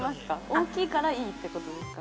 大きいからいいってことですか。